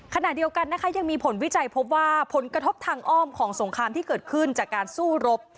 ขณะเดียวกันนะคะยังมีผลวิจัยพบว่าผลกระทบทางอ้อมของสงครามที่เกิดขึ้นจากการสู้รบ